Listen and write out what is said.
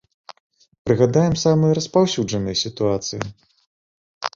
Прыгадаем самыя распаўсюджаныя сітуацыі.